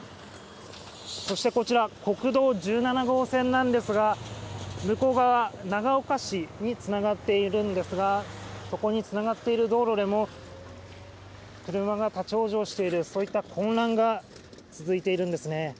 そしてこちら、国道１７号線なんですが、向こう側、長岡市につながっているんですが、そこにつながっている道路でも車が立ち往生している、そういった混乱が続いているんですね。